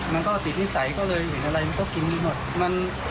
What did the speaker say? มันก็ติดให้ใสก็เลยเห็นอะไรก็กินดีหมด